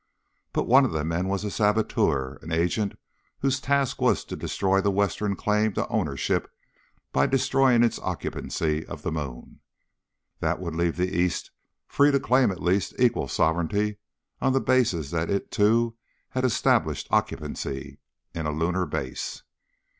But one of the men was a saboteur, an agent whose task was to destroy the Western claim to ownership by destroying its occupancy of the moon. That would leave the East free to claim at least equal sovereignty on the basis that it, too, had established occupancy in a lunar base.